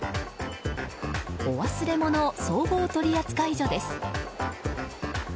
お忘れ物総合取扱所です。